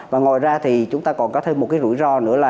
và ngồi ra thì chúng ta còn có thêm một rủi ro nữa là